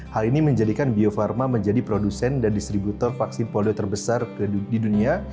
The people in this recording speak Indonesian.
hal ini menjadikan bio farma menjadi produsen dan distributor vaksin polio terbesar di dunia